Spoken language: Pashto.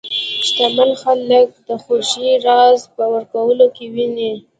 شتمن خلک د خوښۍ راز په ورکولو کې ویني.